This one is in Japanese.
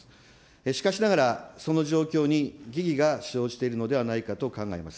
しかしながら、その状況に疑義が生じているのではないかと考えます。